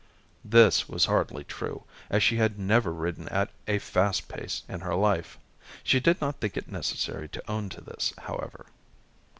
This was hardly true, as she had never ridden at a fast pace in her life. She did not think it necessary to own to this, however.